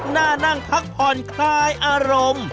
นั่งพักผ่อนคลายอารมณ์